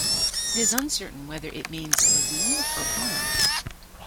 It is uncertain whether it means lagoon or pond.